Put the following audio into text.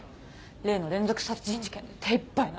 例の連続殺人事件で手いっぱいなのに。